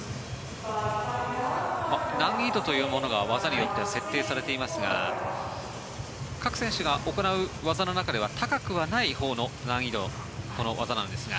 難易度というものが技によっては設定されていますが各選手が行う技の中では高くないほうの難易度の技なんですが。